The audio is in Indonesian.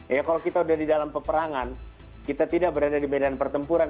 ya kalau kita sudah di dalam peperangan kita tidak berada di medan pertempuran